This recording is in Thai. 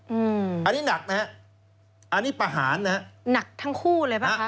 อืมอันนี้หนักนะฮะอันนี้ประหารนะฮะหนักทั้งคู่เลยป่ะคะ